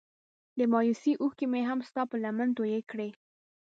د مايوسۍ اوښکې مې هم ستا په لمن توی کړې.